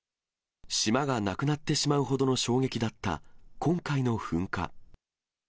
島がなくなってしまうほどの衝撃だった今回の噴火。